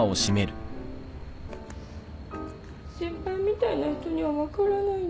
先輩みたいな人には分からないんです。